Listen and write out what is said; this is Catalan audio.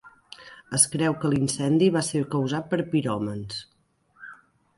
Es creu que l'incendi va ser causat per piròmans.